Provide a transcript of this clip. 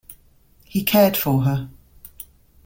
He cared for her.